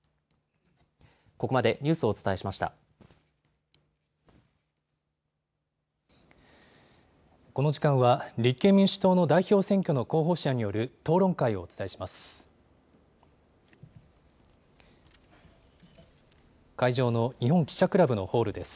この時間は、立憲民主党の代表選挙の候補者による討論会をお伝えします。